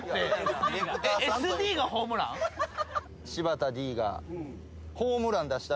柴田Ｄが。